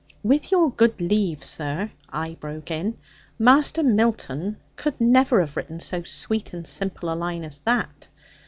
'With your good leave sir,' I broke in, 'Master Milton could never have written so sweet and simple a line as that.